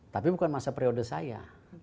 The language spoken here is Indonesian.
tapi bukan masa periode saya